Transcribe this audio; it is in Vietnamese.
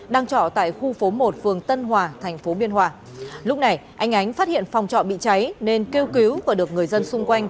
đang trọ tại khu phố một phường tân hòa thành phố biên hòa lúc này anh ánh phát hiện phòng trọ bị cháy nên kêu cứu và được người dân xung quanh